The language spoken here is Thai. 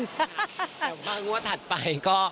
แต่บ้างว่าถัดไปก็